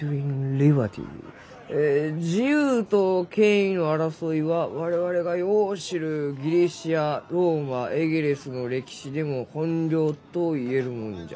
え「自由と権威の争いは我々がよう知るギリシアローマエゲレスの歴史でも本領と言えるもんじゃ」。